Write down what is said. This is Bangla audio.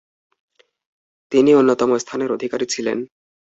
তিনি অন্যতম স্থানের অধিকারী ছিলেন।